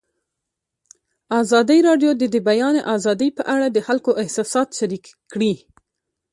ازادي راډیو د د بیان آزادي په اړه د خلکو احساسات شریک کړي.